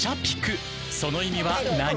［その意味は何？］